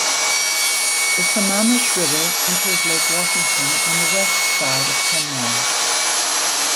The Sammamish River enters Lake Washington on the west side of Kenmore.